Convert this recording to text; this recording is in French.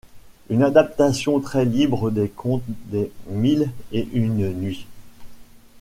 Une adaptation très libre des contes des Mille et une nuits...